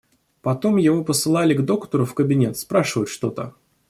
Потом его посылали к доктору в кабинет спрашивать что-то.